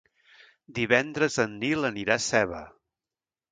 Divendres en Nil anirà a Seva.